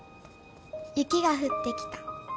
「雪が降ってきた。